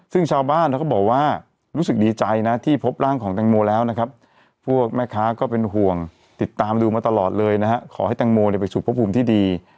ซึ่งชาวบ้านเขาก็บอกว่ารู้สึกดีใจนะที่พบร่างของแตงโมแล้วนะครับพวกแม่ค้าก็เป็นห่วงติดตามดูมาตลอดเลยนะฮะขอให้แตงโมไปสู่พระภูมิที่ดี